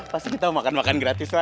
pasti kita mau makan makan gratis lah